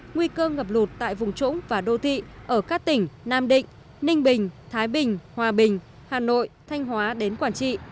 nguy cơ ngập lụt tại vùng trũng và đô thị ở các tỉnh nam định ninh bình thái bình hòa bình hà nội thanh hóa đến quảng trị